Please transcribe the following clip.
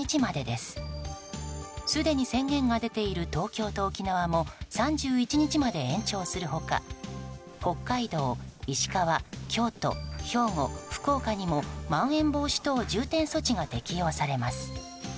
すでに宣言が出ている東京と沖縄も３１日まで延長する他、北海道石川、京都、兵庫、福岡にもまん延防止等重点措置が適用されます。